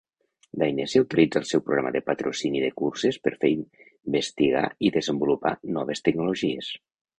Dainese utilitza el seu programa de patrocini de curses per fer investigar i desenvolupar noves tecnologies.